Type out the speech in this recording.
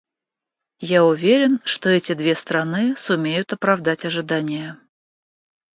Я уверен, что эти две страны сумеют оправдать ожидания.